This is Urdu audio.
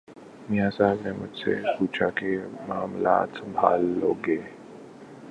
میاں صاحب نے مجھ سے پوچھا کہ معاملات سنبھال لو گے۔